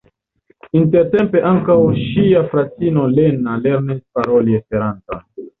Intertempe ankaŭ ŝia fratino Lena lernis paroli Esperanton.